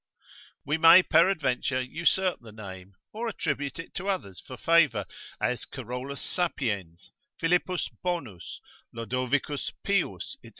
We may peradventure usurp the name, or attribute it to others for favour, as Carolus Sapiens, Philippus Bonus, Lodovicus Pius, &c.